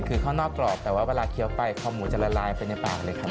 คือข้างนอกกรอบแต่ว่าเวลาเคี้ยวไปคอหมูจะละลายไปในปากเลยครับ